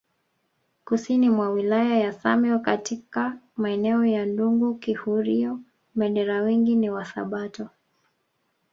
Kusini mwa wilaya ya Same katika maeneo ya Ndungu Kihurio Bendera wengi ni wasabato